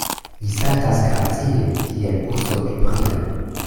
Li saltas gracie, kiel urso ebria.